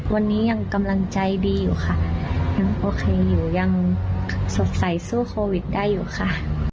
วันนี้ยังกำลังใจดีอยู่ค่ะยังโอเคอยู่ยังสดใสสู้โควิดได้อยู่ค่ะ